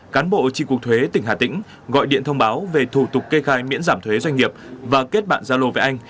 cán bộ tri cuộc thuế tỉnh hà tĩnh gọi điện thông báo về thủ tục kê khai miễn giảm thuế doanh nghiệp và kết bạn giao lộ với anh